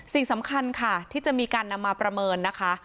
สิ่งสำคัญค่ะที่จะมีการนำมาประเมินนะคะ